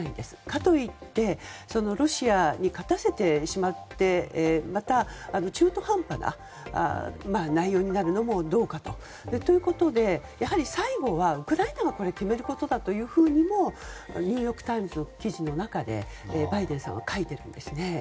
かといってロシアに勝たせてしまってまた、中途半端な内容になるのもどうかと。ということで、やはり最後はウクライナが決めることだというふうにもニューヨーク・タイムズの記事の中でバイデンさんは書いているんですね。